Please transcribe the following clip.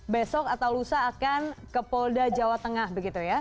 besok atau lusa akan ke polda jawa tengah begitu ya